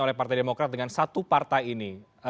oleh partai demokrat dengan satu partai ini